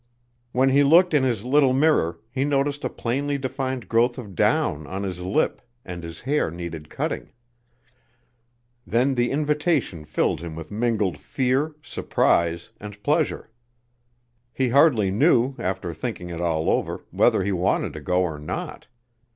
When he looked in his little mirror he noticed a plainly defined growth of down on his lip, and his hair needed cutting. Then the invitation filled him with mingled fear, surprise and pleasure. He hardly knew, after thinking it all over, whether he wanted to go or not.